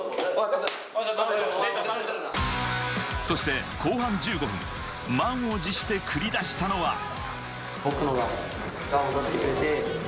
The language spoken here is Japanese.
そして後半１５分、満を持して繰り出したのは。